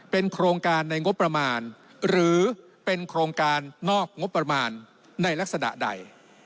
เป็นโครงการในงบประมาณหรือเป็นโครงการนอกงบประมาณในลักษณะใด